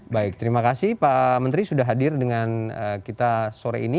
baik terima kasih pak menteri sudah hadir dengan kita sore ini